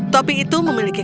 topi itu memiliki